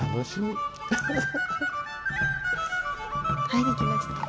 はいできました。